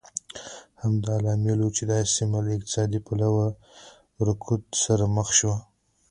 همدا لامل و چې دا سیمه له اقتصادي پلوه رکود سره مخ شوه.